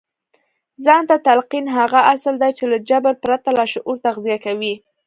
ځان ته تلقين هغه اصل دی چې له جبر پرته لاشعور تغذيه کوي.